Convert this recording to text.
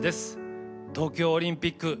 東京オリンピック